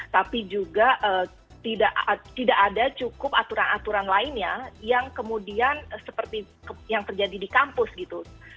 tapi juga tidak ada cukup aturan aturan lainnya yang kemudian seperti yang terjadi di kampus gitu